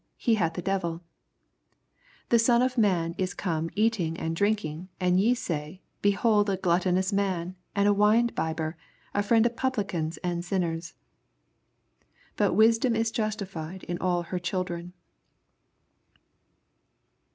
He hath a devil* 84 The son of man is come eating and drinking ; and ye saj, Behold n fflattonons man, and a wmebibber, a mend of Publicans and sinners ! 85 But wisdom is justified of all her children.